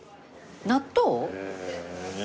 納豆！？